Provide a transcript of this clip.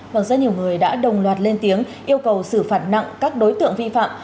và rất nhiều người đã đồng loạt lên tiếng yêu cầu xử phạt nặng các đối tượng vi phạm